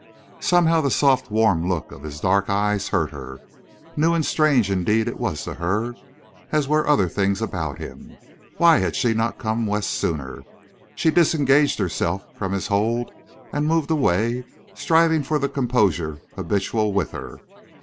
Somehow the soft, warm look of his dark eyes hurt her. New and strange indeed it was to her, as were other things about him. Why had she not come West sooner? She disengaged herself from his hold and moved away, striving for the composure habitual with her.